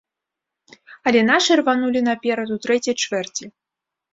Але нашы рванулі наперад у трэцяй чвэрці.